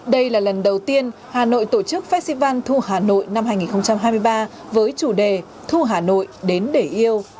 đây là lần đầu tiên hà nội tổ chức festival thu hà nội năm hai nghìn hai mươi ba với chủ đề thu hà nội đến để yêu